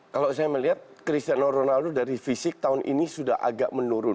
kalau saya melihat cristiano ronaldo dari fisik tahun ini sudah agak menurun